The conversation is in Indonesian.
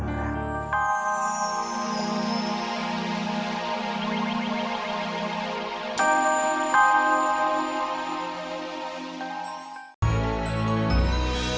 mau masuk penjestel yang tertentu untuk c fauad